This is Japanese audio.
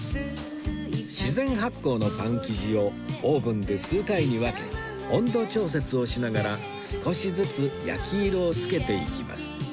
自然発酵のパン生地をオーブンで数回に分け温度調節をしながら少しずつ焼き色を付けていきます